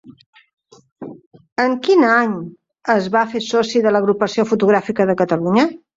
En quin any es va fer soci de l'Agrupació Fotogràfica de Catalunya?